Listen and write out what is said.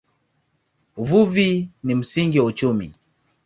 Uvuvi ni msingi wa uchumi.